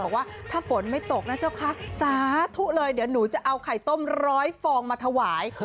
บอกว่าถ้าฝนไม่ตกนะเจ้าคะสาธุเลยเดี๋ยวหนูจะเอาไข่ต้มร้อยฟองมาถวาย